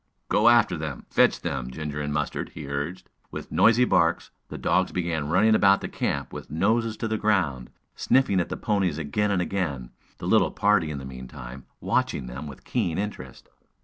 "Go after them! Fetch them, Ginger and Mustard!" he urged. With noisy barks, the dogs began running about the camp with noses to the ground, sniffing at the ponies again and again, the little party in the meantime, watching them with keen interest.